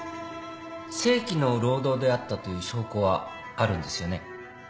正規の労働であったという証拠はあるんですよね。